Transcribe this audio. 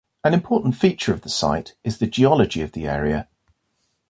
An important feature of the site is the geology of the area.